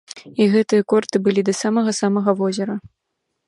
І гэтыя корты былі да самага-самага возера.